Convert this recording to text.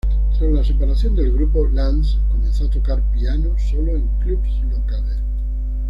Tras la separación del grupo, Lanz comenzó a tocar piano solo en clubs locales.